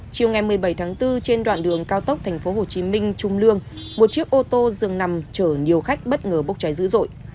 chiều ngày một mươi bảy tháng bốn trên đoạn đường cao tốc tp hcm trung lương một chiếc ô tô dừng nằm chở nhiều khách bất ngờ bốc cháy dữ dội